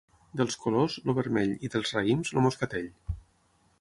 Dels colors, el vermell, i dels raïms, el moscatell.